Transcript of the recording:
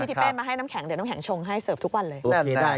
ทิเป้มาให้น้ำแข็งเดี๋ยวน้ำแข็งชงให้เสิร์ฟทุกวันเลย